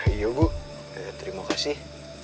iya bu terima kasih